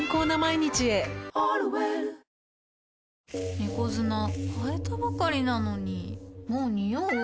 猫砂替えたばかりなのにもうニオう？